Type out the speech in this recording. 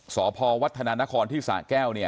สพวัฒนานครที่สะแก้วเนี่ย